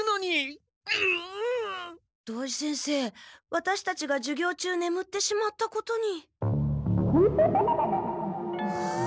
ワタシたちが授業中ねむってしまったことに。